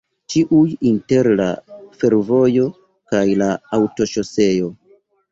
Ĉiuj inter la fervojo kaj la aŭtoŝoseo.